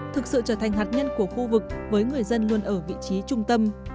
thực sự trở thành hạt nhân của khu vực với người dân luôn ở vị trí trung tâm